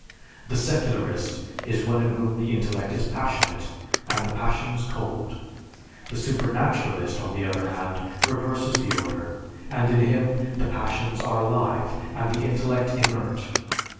The secularist is one in whom the intellect is passionate, and the passions cold. The supernaturalist on the other hand reverses the order, and in him the passions are active and the intellect inert.